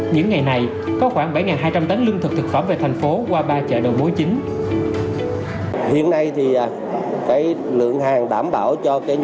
những ngày này có khoảng bảy hai trăm linh tấn lương thực thực phẩm về thành phố qua ba chợ đầu mối chính